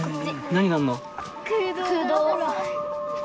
何があんの？